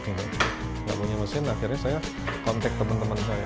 nggak punya mesin akhirnya saya kontak teman teman saya